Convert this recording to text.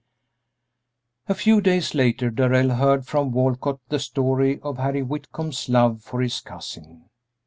A few days later Darrell heard from Walcott the story of Harry Whitcomb's love for his cousin.